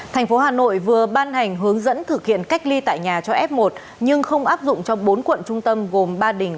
thành phố hà nội vừa ban hành hướng dẫn thực hiện cách ly tại nhà cho f một nhưng không áp dụng trong bốn quận trung tâm gồm ba đình